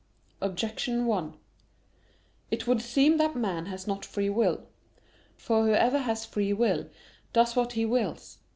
Objection 1: It would seem that man has not free will. For whoever has free will does what he wills.